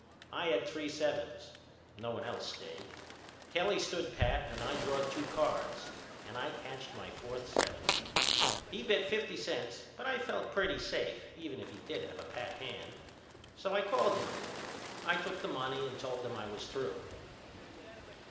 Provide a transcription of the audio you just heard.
I had three sevens. No one else stayed. Kelly stood pat and I drawed two cards. And I catched my fourth seven. He bet fifty cents but I felt pretty safe even if he did have a pat hand. So I called him. I took the money and told them I was through.